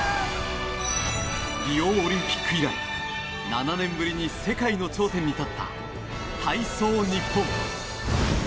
リオオリンピック以来７年ぶりに世界の頂点に立った体操日本。